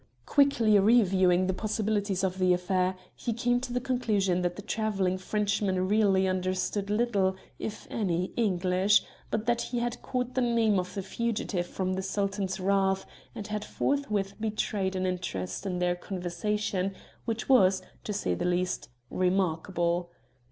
Quickly reviewing the possibilities of the affair, he came to the conclusion that the travelling Frenchman really understood little, if any, English, but that he had caught the name of the fugitive from the Sultan's wrath and had forthwith betrayed an interest in their conversation which was, to say the least, remarkable.